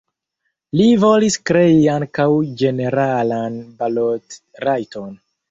Li volis krei ankaŭ ĝeneralan balotrajton.